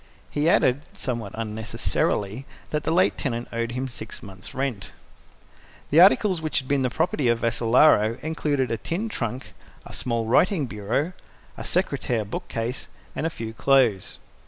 He added, somewhat unnecessarily, that the late tenant owed him six months' rent. The articles which had been the property of Vassalaro included a tin trunk, a small writing bureau, a secretaire bookcase and a few clothes.